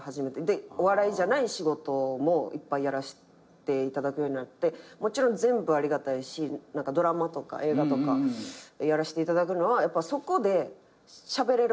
お笑いじゃない仕事もいっぱいやらしていただくようになってもちろん全部ありがたいしドラマとか映画とかやらしていただくのはそこでしゃべれることをもらえる。